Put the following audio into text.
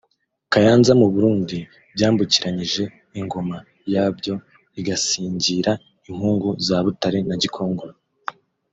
Kayanza mu Burundi byambukiranyije ingoma ya byo igasingira impugu za Butare na Gikongoro